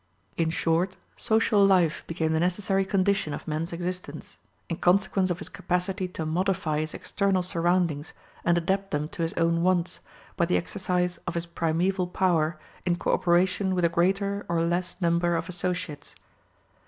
In short, social life became the necessary condition of man's existence, in consequence of his capacity to modify his external surroundings and adapt them to his own wants, by the exercise of his primeval power in co operation with a greater or less number of associates.